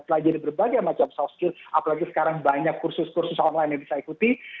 pelajari berbagai macam soft skill apalagi sekarang banyak kursus kursus online yang bisa ikuti